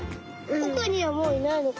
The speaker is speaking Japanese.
おくにはもういないのかな？